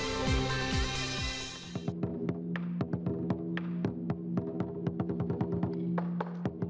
sampai jumpa lagi